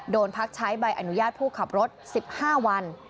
พักใช้ใบอนุญาตผู้ขับรถ๑๕วัน